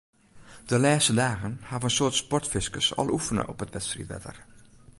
De lêste dagen hawwe in soad sportfiskers al oefene op it wedstriidwetter.